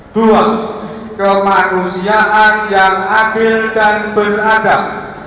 dua kemanusiaan yang adil dan beradab